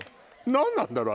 何なんだろう？